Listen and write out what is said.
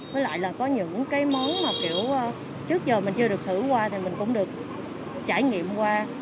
với lại là có những cái món mà kiểu trước giờ mình chưa được thử qua thì mình cũng được trải nghiệm qua